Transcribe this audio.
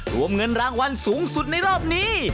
รวมเงินรางวัลสูงสุดในรอบนี้